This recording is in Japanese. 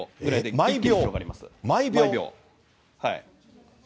毎秒？